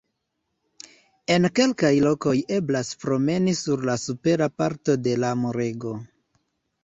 En kelkaj lokoj eblas promeni sur la supera parto de la murego.